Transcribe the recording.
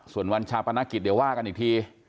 ส่วนวันชาปนกิจเดี๋ยวว่ากันอีกที